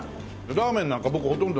ラーメンなんか僕ほとんどね